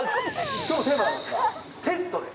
きょうのテーマはテストです。